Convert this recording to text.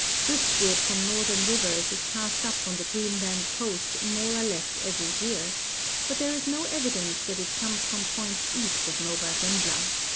Driftwood from northern rivers is cast up on the Greenland coast more or less every year, hut there is no evidence that it comes from points east of Nova Zembla.